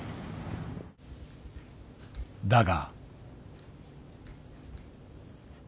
だが。